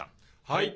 はい。